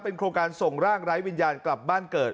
โครงการส่งร่างไร้วิญญาณกลับบ้านเกิด